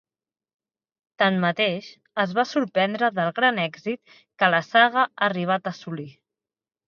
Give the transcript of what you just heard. Tanmateix, es va sorprendre del gran èxit que la saga ha arribat a assolir.